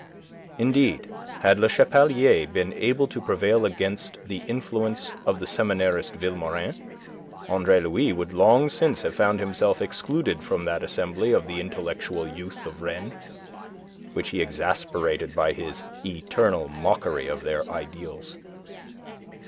Indeed, had Le Chapelier been able to prevail against the influence of the seminarist Vilmorin, Andre Louis would long since have found himself excluded from that assembly of the intellectual youth of Rennes, which he exasperated by his eternal mockery of their ideals.